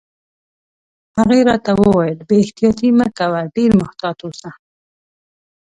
هغې راته وویل: بې احتیاطي مه کوه، ډېر محتاط اوسه.